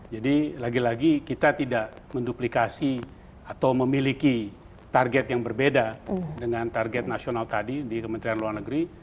jadi lagi lagi kita tidak menduplikasi atau memiliki target yang berbeda dengan target nasional tadi di kementerian luar negeri